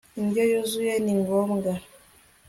indyo yuzuye ni ngombwa